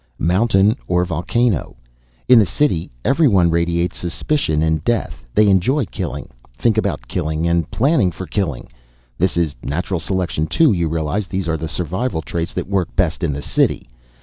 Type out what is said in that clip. Mountain or volcano. In the city everyone radiates suspicion and death. They enjoy killing, thinking about killing, and planning for killing. This is natural selection, too, you realize. These are the survival traits that work best in the city.